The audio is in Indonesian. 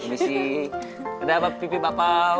misi kenapa pipi bapak